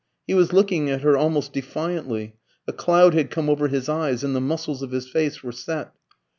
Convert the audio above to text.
He was looking at her almost defiantly, a cloud had come over his eyes, and the muscles of his face were set.